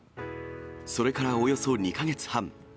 それからおよそ２か月半。